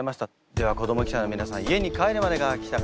では子ども記者の皆さん家に帰るまでが記者会見です。